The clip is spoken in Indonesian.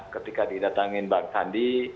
ketika didatangin bang sandi